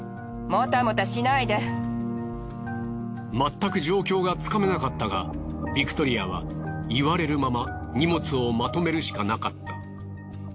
まったく状況がつかめなかったがビクトリアは言われるまま荷物をまとめるしかなかった。